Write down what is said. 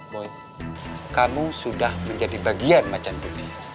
boy kamu sudah menjadi bagian pacan putih